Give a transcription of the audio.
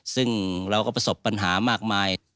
ซึ่งเราก็ประสบปัญหามากมาย